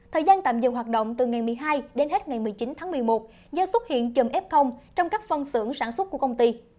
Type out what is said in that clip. thời gian tạm dừng hoạt động từ ngày một mươi hai đến hết ngày một mươi chín tháng một mươi một do xuất hiện chùm f trong các phân xưởng sản xuất của công ty